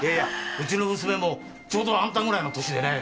ウチの娘もちょうどあんたぐらいの年でね。